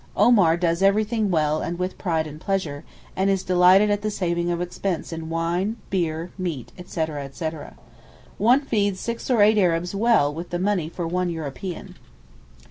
Omar does everything well and with pride and pleasure, and is delighted at the saving of expense in wine, beer, meat, etc. etc. One feeds six or eight Arabs well with the money for one European.